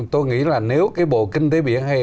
tôi nghĩ là nếu cái bộ kinh tế biển hay